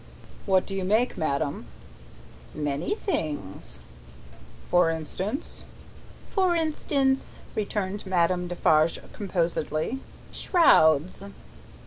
"What do you make, madame?" "Many things." "For instance " "For instance," returned Madame Defarge, composedly, "shrouds."